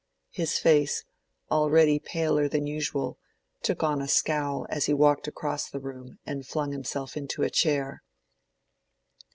His face, already paler than usual, took on a scowl as he walked across the room and flung himself into a chair.